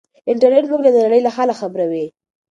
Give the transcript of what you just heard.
انټرنيټ موږ ته د نړۍ له حاله خبروي.